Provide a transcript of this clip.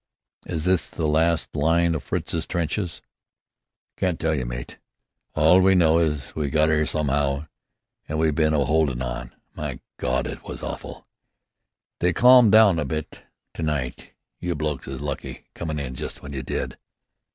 "Is this the last line o' Fritzie's trenches?" "Can't tell you, mate. All we know is, we got 'ere some'ow an' we been a 'oldin' on. My Gawd! It's been awful! They calmed down a bit to night. You blokes is lucky comin' in just w'en you did."